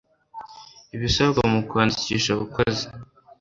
ibisabwa mu kwandikisha abakozi